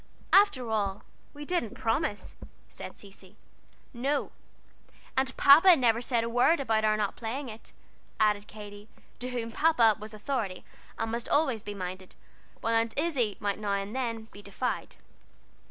"After all we didn't promise," said Cecy. "No, and Papa never said a word about our not playing it," added Katy, to whom "Papa" was authority, and must always be minded, while Aunt Izzie might now and then be defied.